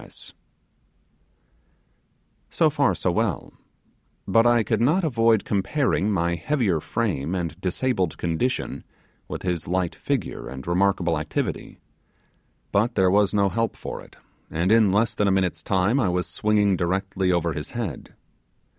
So far so well; but I could not avoid comparing my heavier frame and disabled condition with his light figure and remarkable activity; but there was no help for it, and in less than a minute's time I was swinging directly over his head.